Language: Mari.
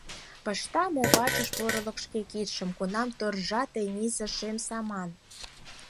Пышта мо вачыш порылык шке кидшым, Кунам торжа тенийсе шем саман?